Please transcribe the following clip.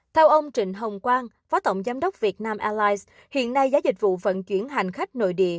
theo ông trịnh hồng quang phó tổng giám đốc việt nam airlines hiện nay giá dịch vụ vận chuyển hành khách nội địa